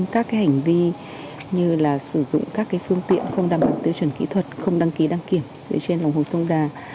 các hành vi như sử dụng các phương tiện không đảm bảo tiêu chuẩn kỹ thuật không đăng ký đăng kiểm dựa trên lòng hồ sông đà